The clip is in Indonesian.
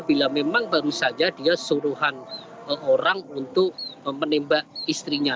bila memang baru saja dia suruhan orang untuk menembak istrinya